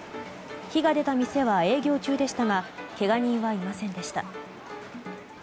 火が出た店は営業中でしたがけが人はいませんでした。